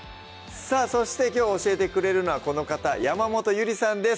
そしてきょう教えてくれるのはこの方山本ゆりさんです